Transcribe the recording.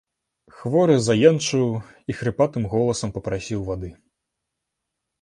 Хворы заенчыў і хрыпатым голасам папрасіў вады.